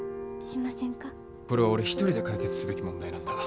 これは俺一人で解決すべき問題なんだ。